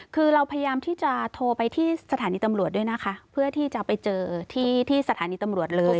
คือเราพยายามที่จะโทรไปที่สถานีตำรวจด้วยนะคะเพื่อที่จะไปเจอที่ที่สถานีตำรวจเลย